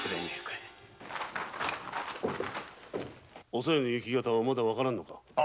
おさよの行方はまだ分からぬか。